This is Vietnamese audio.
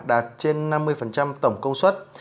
đạt trên năm mươi tổng công suất